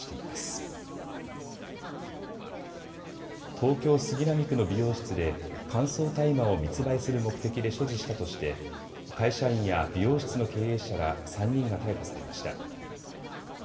東京杉並区の美容室で乾燥大麻を密売する目的で所持したとして会社員や美容室の経営者ら３人が逮捕されました。